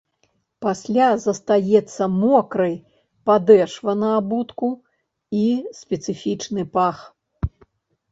Пасля застаецца мокрай падэшва на абутку і спецыфічны пах.